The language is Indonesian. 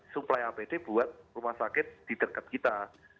suplai apd buat rumah sakit di dekat kita